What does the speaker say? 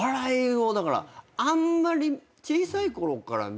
だからあんまり小さいころから見て。